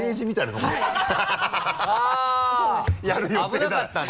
危なかったんだ。